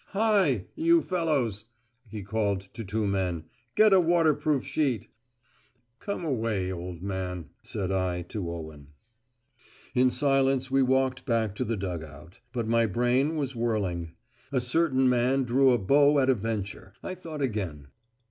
"Hi! you fellows," he called to two men. "Get a waterproof sheet." "Come away, old man," said I to Owen. In silence we walked back to the dug out. But my brain was whirling. "A certain man drew a bow at a venture," I thought again.